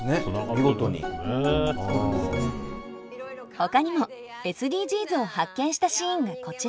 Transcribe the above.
ほかにもＳＤＧｓを発見したシーンがこちら。